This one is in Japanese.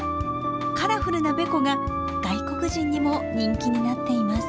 カラフルなべこが外国人にも人気になっています。